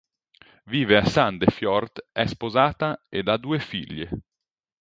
Vive a Sandefjord, è sposata ed ha due figlie.